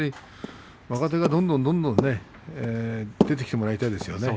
若手がどんどんどんどん出てきてもらいたいですよね